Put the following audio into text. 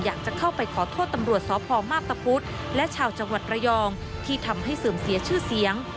อยากจะเข้าไปขอโทษตำรวจสพมาพตะพุทธและชาวจังหวัดระยองที่ทำให้เสื่อมเสียชื่อเสียง